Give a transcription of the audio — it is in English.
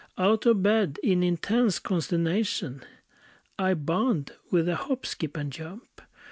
Out of bed, in intense consternation, I bound with a hop, skip, and jump.